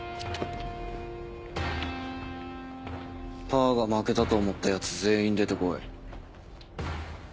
パーが負けたと思ったやつ全員出てこい。